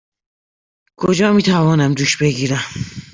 کجا می توانم دوش بگیرم؟